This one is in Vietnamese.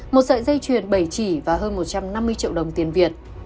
một sợi dây chuyền bảy chỉ và hơn một trăm năm mươi triệu đồng tiền việt